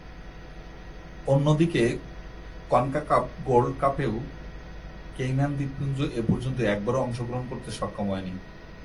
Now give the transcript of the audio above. অন্যদিকে, CONCACAF gold কাপেও Cayman দ্বীপপুঞ্জ এপর্যন্ত একবারও অংশগ্রহণ করতে সক্ষম হয়নি।